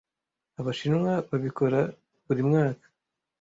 Abashinwa babikora buri myaka